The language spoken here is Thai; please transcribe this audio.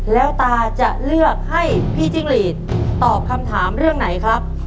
แล้วตาจะเลือกให้พี่จิ้งหลีดตอบคำถามเรื่องไหนครับ